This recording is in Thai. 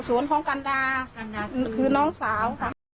สวนของกันดาคือน้องสาว